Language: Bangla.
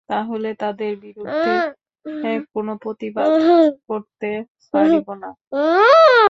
তাহলে তাদের বিরুদ্ধে কোনো প্রতিবাদ করতে পারবি না।